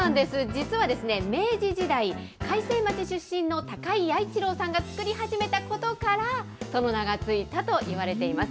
実はですね、明治時代、開成町出身の高井弥一郎さんが作り始めたことから、その名が付いたといわれています。